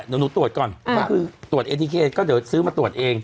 เดี๋ยวหนูตรวจก่อนก็คือตรวจเอทีเคก็เดี๋ยวซื้อมาตรวจเอง